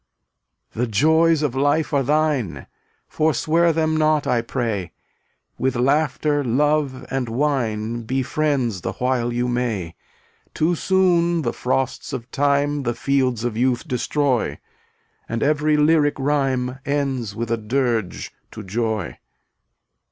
254 The joys of life are thine; Forswear them not, I pray; With Laughter, Love and Wine Be friends the while you may. Too soon the frosts of Time The fields of youth destroy, And every lyric rhyme Ends with a dirge to Joy.